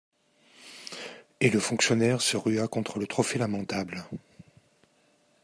Et le fonctionnaire se rua contre le trophée lamentable.